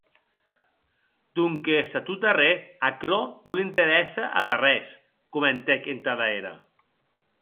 Donques, a tot darrèr, aquerò non l'interèsse ad arrés, comentèc entada era.